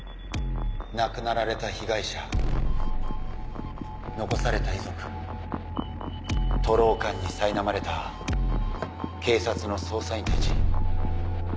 亡くなられた被害者残された遺族徒労感にさいなまれた警察の捜査員たち。